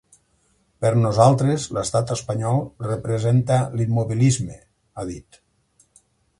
“Per nosaltres, l’estat espanyol representa l’immobilisme”, ha dit.